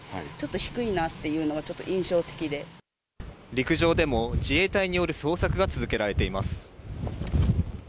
陸上でも自衛隊による捜索が続けられています。